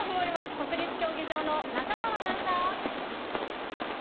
国立競技場の中川アナウンサー。